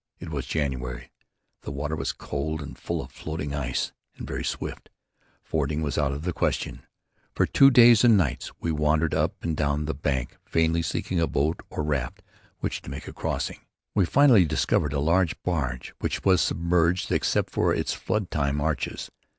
It was January; the water was cold and full of floating ice, and very swift. Fording was out of the question. For two days and nights we wandered up and down the bank, vainly seeking a boat or raft with which to make the crossing. We finally discovered a large bridge, which was submerged except for its flood time arches.